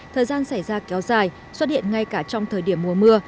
thời gian xảy ra kéo dài xuất hiện ngay cả trong thời điểm mùa mưa